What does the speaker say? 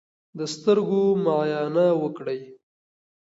د سترګو معاینه وکړئ.